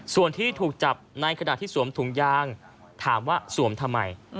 ส่วนที่ถูกจับในขณะที่สวมถุงยางถามว่าสวมทำไม